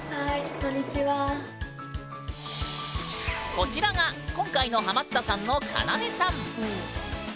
こちらが今回のハマったさんのカナメさん。